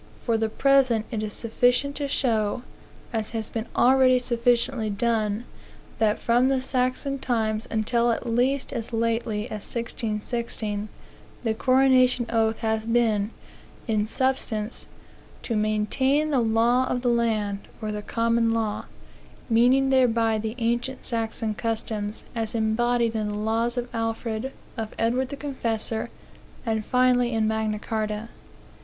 For the present it is sufficient to show, as has been already sufficiently done, that from the Saxon times until at least as lately as 1616, the coronation oath has been, in substance, to maintain the law of the land, or the common law, meaning thereby the ancient Saxon customs, as embodied in the laws of Alfred, of Edward the Confessor, and finally in Magna Carta.